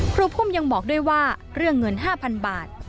พุ่มยังบอกด้วยว่าเรื่องเงิน๕๐๐๐บาท